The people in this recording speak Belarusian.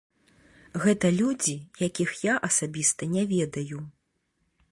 Гэта людзі, якіх я асабіста не ведаю.